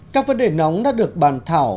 các vấn đề nóng đã được bàn thảo